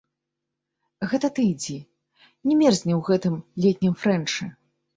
Гэта ты ідзі, не мерзні ў гэтым летнім фрэнчы.